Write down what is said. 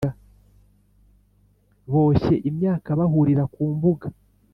boshye imyaka bahurira ku mbuga ;